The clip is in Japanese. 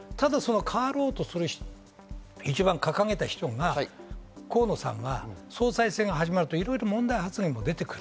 変わろうと掲げた人が、河野さんが総裁選が始まると問題発言が出てくる。